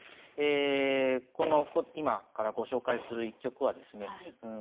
この今からご紹介する一局はですね